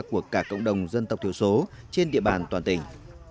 của cả cộng đồng dân tộc thiểu số trên địa bàn toàn tỉnh